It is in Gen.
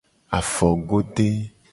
Afogode.